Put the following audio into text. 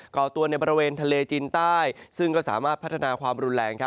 ก่อตัวในบริเวณทะเลจีนใต้ซึ่งก็สามารถพัฒนาความรุนแรง